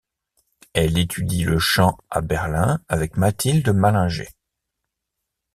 Elle étudie le chant à Berlin avec Mathilde Mallinger.